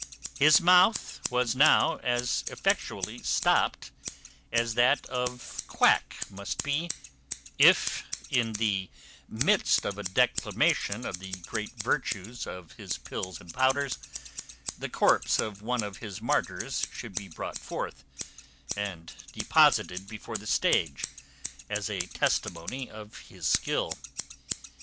His mouth was now as effectually stopt, as that of quack must be, if, in the midst of a declamation on the great virtues of his pills and powders, the corpse of one of his martyrs should be brought forth, and deposited before the stage, as a testimony of his skill.